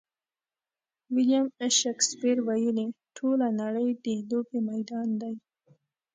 ویلیم شکسپیر ویلي: ټوله نړۍ د لوبې میدان دی.